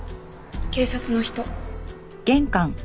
警察の人。